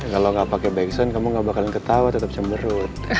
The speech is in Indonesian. kalo gak pake back sound kamu gak bakalan ketawa tetep cemberut